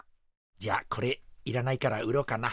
じゃあこれいらないから売ろうかな。